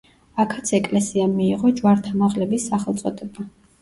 აქაც ეკლესიამ მიიღო ჯვართამაღლების სახელწოდება.